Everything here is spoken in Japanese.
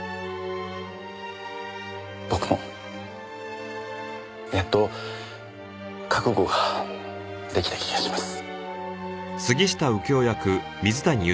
僕もやっと覚悟が出来た気がします。